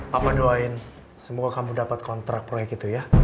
papa doain semoga kamu dapat kontrak proyek itu ya